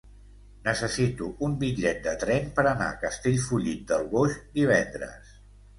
Necessito un bitllet de tren per anar a Castellfollit del Boix divendres.